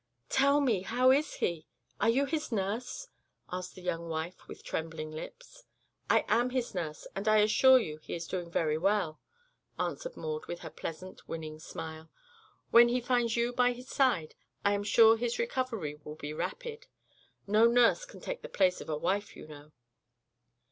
"Tell me; how is he? Are you his nurse?" asked the young wife with trembling lips. "I am his nurse, and I assure you he is doing very well," answered Maud with her pleasant, winning smile. "When he finds you by his side I am sure his recovery will be rapid. No nurse can take the place of a wife, you know."